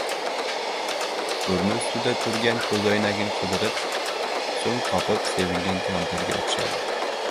burni ustida turgan koʻzoynagini qidirib, soʻng topib sevingan kampirga oʻxshaydi.